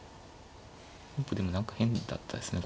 本譜でも何か変だったですね。